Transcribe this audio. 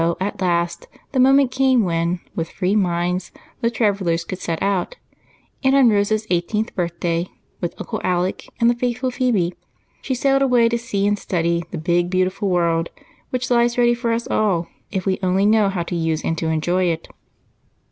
So at last the moment came when, with free minds, the travelers could set out, and on Rose's eighteenth birthday, with Uncle Alec and the faithful Phebe, she sailed away to see and study the big, beautiful world which lies ready for us all if we only know how to use and enjoy it.